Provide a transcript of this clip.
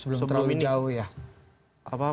sebelum terlalu jauh ya